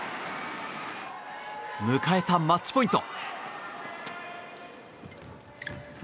迎えたマッチポイント。